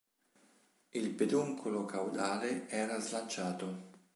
Il peduncolo caudale era slanciato.